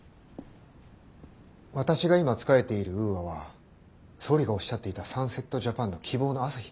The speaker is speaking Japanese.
私が今仕えているウーアは総理がおっしゃっていたサンセット・ジャパンの希望の朝日です。